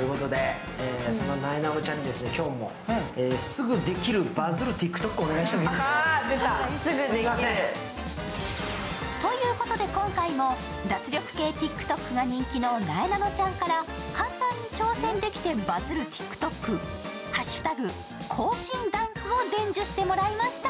すぐできるということで。ということで今回も脱力系ＴｉｋＴｏｋが人気のなえなのちゃんから簡単に挑戦できてバズるＴｉｋＴｏｋ、＃行進ダンスを伝授してもらいました。